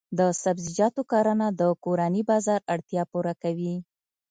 د سبزیجاتو کرنه د کورني بازار اړتیا پوره کوي.